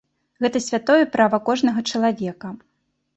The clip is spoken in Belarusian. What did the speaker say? Гэта святое права кожнага чалавека.